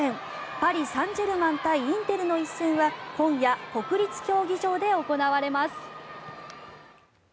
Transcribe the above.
パリ・サンジェルマン対インテルの一戦は今夜、国立競技場で行われます。